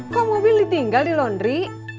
kok mobil ditinggal di laundry